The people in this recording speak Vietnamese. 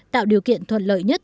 tạo điều kiện thuận lợi nhất